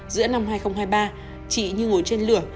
giữa năm hai nghìn hai mươi ba chị như ngồi trên lửa